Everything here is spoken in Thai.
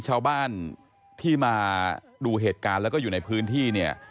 ชาวบ้านที่มาดูเหตุการณ์แล้วก็อยู่ในพื้นที่เนี่ย